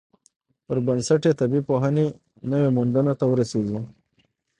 پر بنسټ یې طبیعي پوهنې نویو موندنو ته ورسیږي.